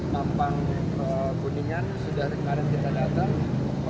mampang kudingan sudah sekarang kita datang